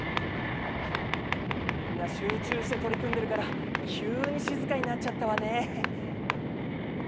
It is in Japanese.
みんな集中して取り組んでるから急に静かになっちゃったわね。